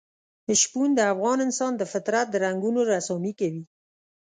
شپون د افغان انسان د فطرت د رنګونو رسامي کوي.